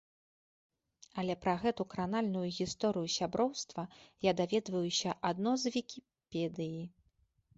Але пра гэту кранальную гісторыю сяброўства я даведваюся адно з вікіпедыі.